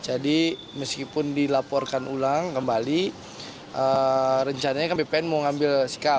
jadi meskipun dilaporkan ulang kembali rencananya kan bpn mau ambil